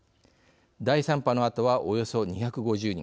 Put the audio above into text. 第３波のあとは、およそ２５０人